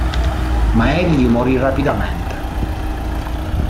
Ma egli morì rapidamente.